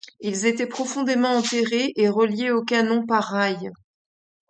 Ils étaient profondément enterrés et reliés aux canons par rails.